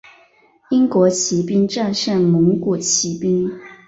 英国骑兵战胜蒙古骑兵。